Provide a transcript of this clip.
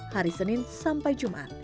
hari senin sampai jumat